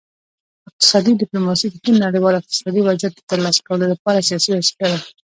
اقتصادي ډیپلوماسي د ښه نړیوال اقتصادي وضعیت د ترلاسه کولو لپاره سیاسي وسیله ده